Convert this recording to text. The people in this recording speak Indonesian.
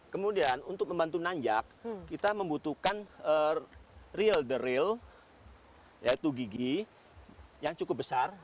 kemudian untuk membantu menanjak kita membutuhkan reel the reel yaitu gigi yang cukup besar